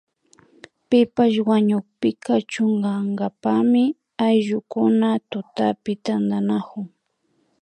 Pipash wañukpika chunkankapami ayllukuna tutapi tantanakun